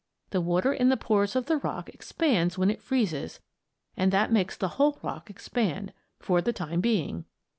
The water in the pores of the rock expands when it freezes and that makes the whole rock expand, for the time being.